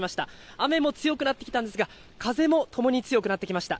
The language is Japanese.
雨も強くなってきたんですが、風もともに強くなってきました。